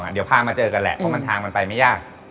เดี๋ยวพามาเจอกันแหละเพราะมันทางมันไปไม่ยาก